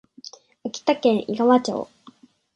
秋田県井川町